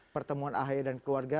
pertemuan ahi dan keluarga